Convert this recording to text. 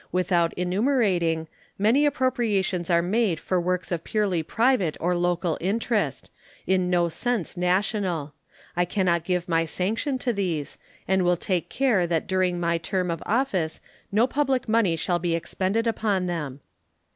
Without enumerating, many appropriations are made for works of purely private or local interest, in no sense national. I can not give my sanction to these, and will take care that during my term of office no public money shall be expended upon them.